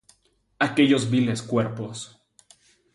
Aquellos viles cuerpos..."".